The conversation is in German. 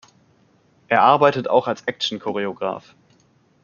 Er arbeitet auch als Action-Choreograph.